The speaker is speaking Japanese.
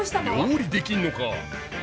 料理できんのか。